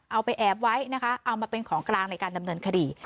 เอาไปแอบไว้นะคะเอามาเป็นของกลางในการดำเนินคดี